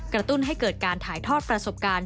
ตุ้นให้เกิดการถ่ายทอดประสบการณ์